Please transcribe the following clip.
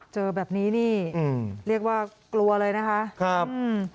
เจอแบบนี้นี่อืมเรียกว่ากลัวเลยนะคะครับอืม